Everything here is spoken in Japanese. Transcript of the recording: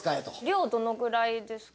量どのぐらいですか？